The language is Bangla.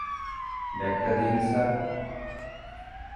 ব্যাগটা দিন, স্যার?